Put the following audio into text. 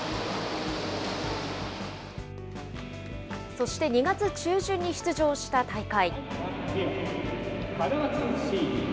そして２月中旬に出場した大会。